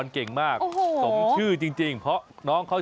เก่งไม่เก่งนี่ไง